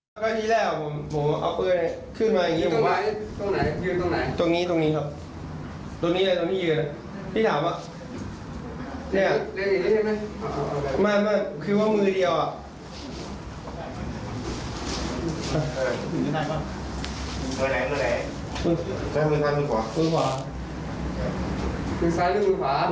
มือทางนี้คือที่พูดหลายครับ